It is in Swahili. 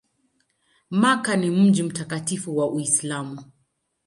Makka ni mji mtakatifu wa Uislamu.